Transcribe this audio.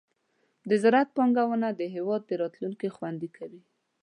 د زراعت پانګونه د هېواد راتلونکې خوندي کوي.